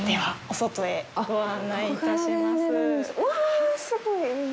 うわあ、すごい。